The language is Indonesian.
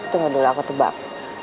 tunggu dulu aku tebak